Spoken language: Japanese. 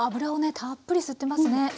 たっぷり吸ってますね。